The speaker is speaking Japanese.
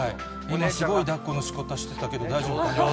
すごいだっこのしかたしてたけど、大丈夫かな。